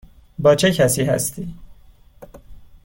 با چه کسی هستی؟